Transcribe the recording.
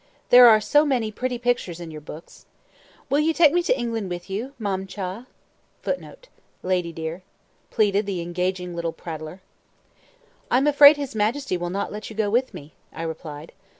There are so many pretty pictures in your books. Will you take me to England with you, Mam cha?" [Footnote: "Lady, dear."] pleaded the engaging little prattler. "I am afraid his Majesty will not let you go with me," I replied.